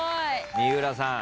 三浦さん。